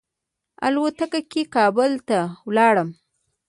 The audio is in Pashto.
الوتکه کې کابل ته ولاړم.